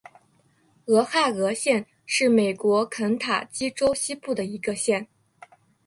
俄亥俄县是美国肯塔基州西部的一个县。